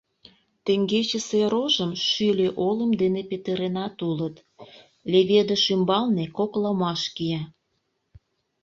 Теҥгечысе рожым шӱльӧ олым дене петыренат улыт, леведыш ӱмбалне кок ломаш кия.